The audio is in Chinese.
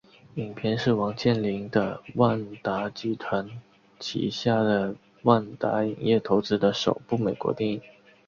影片是王健林的万达集团旗下的万达影业投资的首部美国电影。